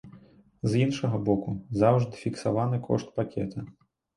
З іншага боку, заўжды фіксаваны кошт пакета.